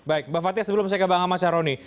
baik mbak fatih sebelum saya ke bang amat syaroni